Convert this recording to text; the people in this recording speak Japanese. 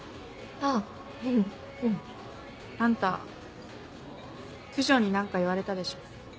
あぁうん。あんた九条に何か言われたでしょ。